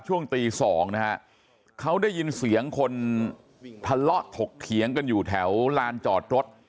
ช่วงตี๒นะฮะเขาได้ยินเสียงคนทะเลาะถกเถียงกันอยู่แถวลานจอดรถ